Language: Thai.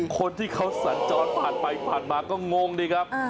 คนที่เขาสัญจรผ่านไปผ่านมาก็งงดิครับ